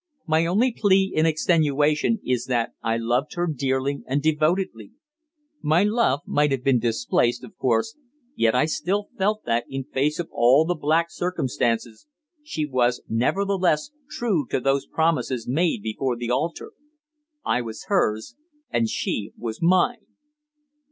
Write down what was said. My only plea in extenuation is that I loved her dearly and devotedly. My love might have been misplaced, of course, yet I still felt that, in face of all the black circumstances, she was nevertheless true to those promises made before the altar. I was hers and she was mine.